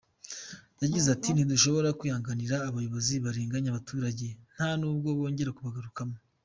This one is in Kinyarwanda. Yagize ati “Ntidushobora kwihanganira abayobozi barenganya abaturage, nta nubwo bongera kubagarukamo.